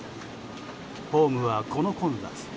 ホームはこの混雑。